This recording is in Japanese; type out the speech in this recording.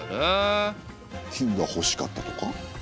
金がほしかったとか？